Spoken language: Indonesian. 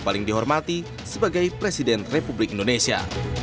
paling dihormati sebagai presiden republik indonesia